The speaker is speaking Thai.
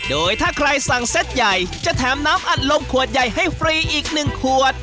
โดยถ้าใครสั่งเซ็ตใหญ่จะแถมน้ำอัดลมขวดใหญ่ให้ฟรีอีก๑ขวด